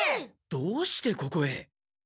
どうしてここへ？